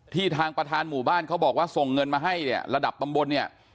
ทางประธานหมู่บ้านเขาบอกว่าส่งเงินมาให้เนี่ยระดับตำบลเนี่ย